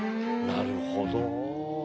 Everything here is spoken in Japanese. なるほど。